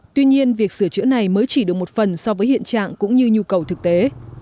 tuy nhiên việc sửa chữa này mới chỉ được một phần so với hiện trạng cũng như nhu cầu thực tế